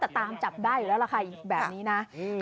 แต่ตามจับได้อยู่แล้วล่ะค่ะแบบนี้นะ